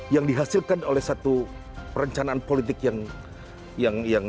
yang dihasilkan oleh satu perencanaan politik yang